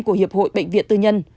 của hiệp hội bệnh viện tư nhân